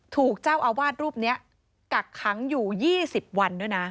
ถูกเจ้าอาวาสรูปนี้กักขังอยู่๒๐วันด้วยนะ